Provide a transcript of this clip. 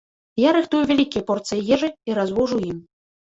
Я рыхтую вялікія порцыі ежы і развожу ім.